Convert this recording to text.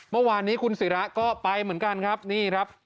เมื่อวานนี้คุณศิราก็ไปเหมือนกันครับนี่ครับ